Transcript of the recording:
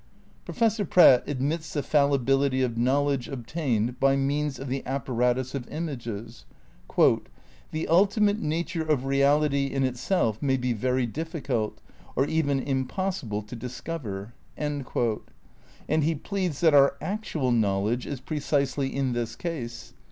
Professor Pratt admits the fallibility of knowledge obtained by means of the apparatus of images. ("The ultimate nature of reality in itself may be very difficult, or even impossible to discover") ; and he pleads that our actual knowledge is precisely in this case.